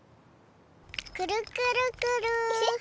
くるくるくる。